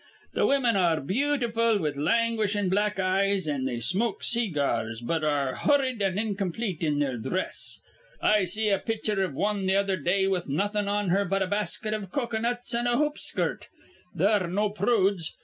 Th' women ar re beautiful, with languishin' black eyes, an' they smoke see gars, but ar re hurried an' incomplete in their dhress. I see a pitcher iv wan th' other day with nawthin' on her but a basket of cocoanuts an' a hoop skirt. They're no prudes.